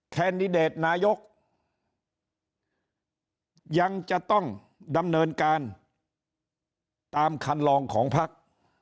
แคนดิเดตนายกยังจะต้องดำเนินการตามคันลองของพัก